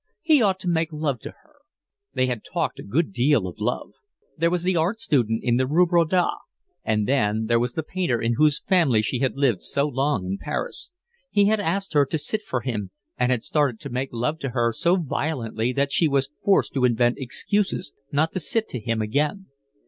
He ought to make love to her. They had talked a good deal of love. There was the art student in the Rue Breda, and then there was the painter in whose family she had lived so long in Paris: he had asked her to sit for him, and had started to make love to her so violently that she was forced to invent excuses not to sit to him again.